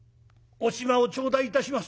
「お暇を頂戴いたします」。